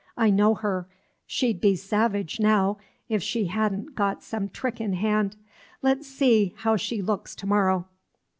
"I know her, she 'd be savage now, if she had n't got some trick in hand. Let 's see how she looks to morrow!"